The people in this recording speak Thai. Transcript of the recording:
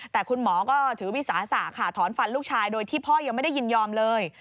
แต่คุณหมอก็ถือวิสาสะค่ะถอนฟันลูกชายโดยที่พ่อยังไม่ได้ยินยอมเลย